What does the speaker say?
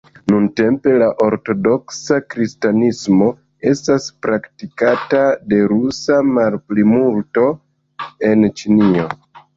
Nuntempe, la ortodoksa kristanismo estas praktikata de rusa malplimulto en Ĉinio.